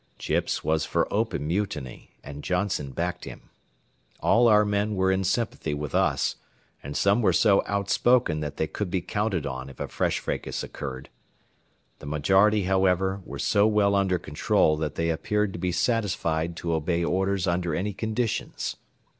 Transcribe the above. Chips was for open mutiny, and Johnson backed him. All our men were in sympathy with us, and some were so outspoken that they could be counted on if a fresh fracas occurred. The majority, however, were so well under control that they appeared to be satisfied to obey orders under any conditions.